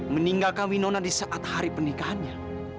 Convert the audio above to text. meninggalkan winona di saat hari pernikahannya